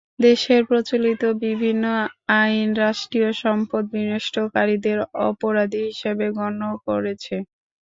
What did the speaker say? দেশের প্রচলিত বিভিন্ন আইন রাষ্ট্রীয় সম্পদ বিনষ্টকারীদের অপরাধী হিসেবে গণ্য করেছে।